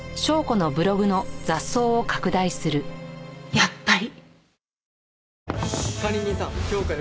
やっぱり。